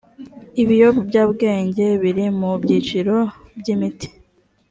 ibiyobyabwenge biri mu byiciro by imiti